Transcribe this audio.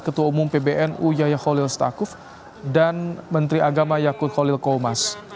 ketua umum pbnu yaya khalil setakuf dan menteri agama yakut khalil qomas